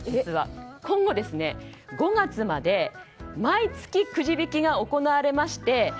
実は、今後５月まで毎月くじ引きが行われまして